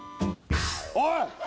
おい！